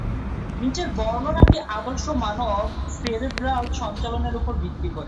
নিচের বর্ণনাটি আদর্শ মানব সেরেব্রাল সঞ্চালনের উপর ভিত্তি করে।